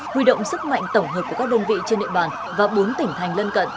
huy động sức mạnh tổng hợp của các đơn vị trên địa bàn và bốn tỉnh thành lân cận